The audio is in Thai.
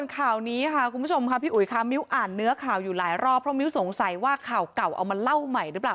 ข่าวนี้ค่ะคุณผู้ชมค่ะพี่อุ๋ยค่ะมิ้วอ่านเนื้อข่าวอยู่หลายรอบเพราะมิ้วสงสัยว่าข่าวเก่าเอามาเล่าใหม่หรือเปล่า